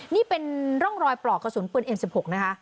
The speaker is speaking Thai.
นี่เป็นร่องรอยปลอกกระสุนปืนเอ็น๑๖นะคะ